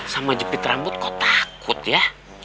sama jepit rambut kok takut ya